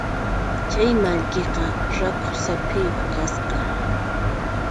Chay mallkiqa rakhu saphiyuq kasqa.